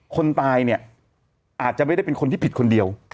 คนตายเนี่ยอาจจะไม่ได้เป็นคนที่ผิดคนเดียว